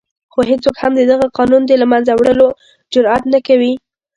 خو هېڅوک هم د دغه قانون د له منځه وړلو جرآت نه کوي.